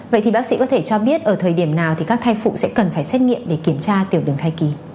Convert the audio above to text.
vậy thì bác sĩ có thể cho biết ở thời điểm nào thì các thai phụ sẽ cần phải xét nghiệm để kiểm tra tiểu đường thai kỳ